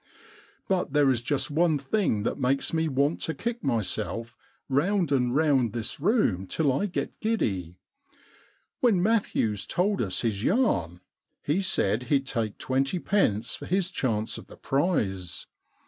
But there is just one thing that makes me want to kick myself round and round this room till I get giddy. "When Matthews told us his yarn, he said he'd take twenty pence for his chance of the prize.